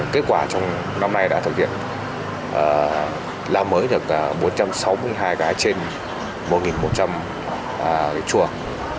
kết quả trong năm nay đã thực hiện làm mới được bốn trăm sáu mươi hai cái trên một một trăm linh chuồng